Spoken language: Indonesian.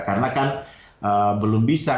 karena kan belum bisa